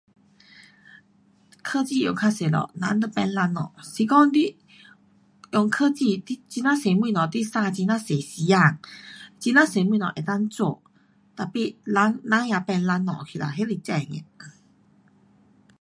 科技用较多了人就变懒惰，是讲你用科技，你很呀多东西你省很呀多时间，很呀多东西能够做。tapi 人，人也变懒惰去啦。那是真的。